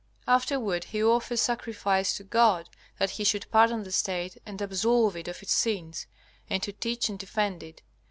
Afterward he offers sacrifice to God, that he should pardon the State and absolve it of its sins, and to teach and defend it.